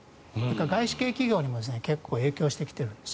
外資系企業にも結構影響してきているんです。